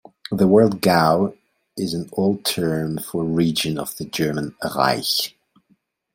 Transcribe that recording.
The word Gau is an old term for a region of the German "Reich".